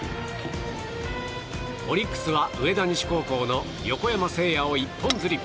オリックスは上田西高校の横山聖哉を１本釣り。